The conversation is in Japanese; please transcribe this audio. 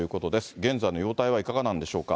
現在の容体はいかがなんでしょうか。